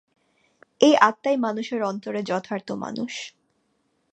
এই আত্মাই মানুষের অন্তরে যথার্থ মানুষ।